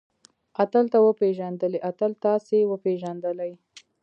اتل تۀ وپېژندلې؟ اتل تاسې وپېژندلئ؟